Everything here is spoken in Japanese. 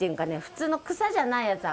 普通の草じゃないやつ